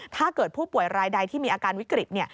ถ้าเกิดผู้ป่วยรายใดที่มีอาการวิกฤต